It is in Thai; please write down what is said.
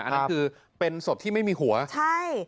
อันนี้คือเป็นศพที่ไม่มีหัวใช่